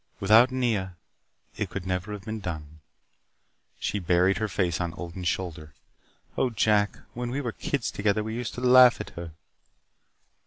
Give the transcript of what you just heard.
Without Nea, it could never have been done." She buried her face on Odin's shoulder. "Oh, Jack, when we were kids together we used to laugh at her."